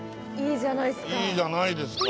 いいじゃないですか。